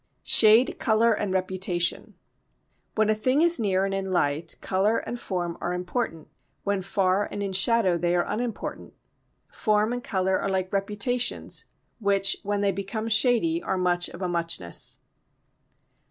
Shade Colour and Reputation When a thing is near and in light, colour and form are important; when far and in shadow, they are unimportant. Form and colour are like reputations which when they become shady are much of a muchness.